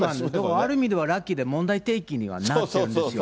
ある意味ではラッキーで、問題提起にはなってるんですよ。